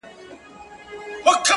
• اوس په فلسفه باندي پوهېږمه،